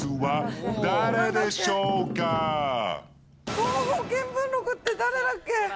『東方見聞録』って誰だっけ？